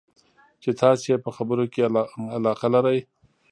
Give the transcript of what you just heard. چې تاسې یې په خبرو کې علاقه لرئ.